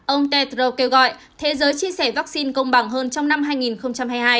ông tedro kêu gọi thế giới chia sẻ vaccine công bằng hơn trong năm hai nghìn hai mươi hai